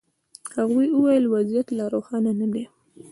هغوی ویل وضعیت لا روښانه نه دی.